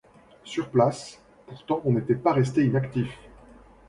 Sur place, pourtant on n'était pas resté inactif.